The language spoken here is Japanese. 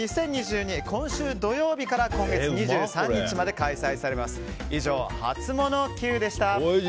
今週土曜日から今月２３日まで開催されます。